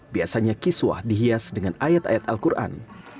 biasanya kiswah dihias dengan ayat ayat al quran